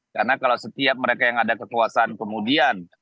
karena kalau setiap mereka yang ada kekuasaan kemudian